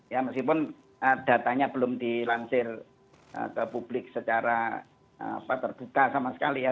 ya meskipun datanya belum dilansir ke publik secara terbuka sama sekali ya